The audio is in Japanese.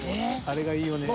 あれがいいよね。